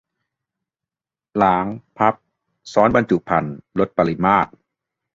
- ล้าง พับ ซ้อนบรรจุภัณฑ์ ลดปริมาตร